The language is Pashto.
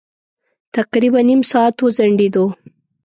تقريباً نيم ساعت وځنډېدو.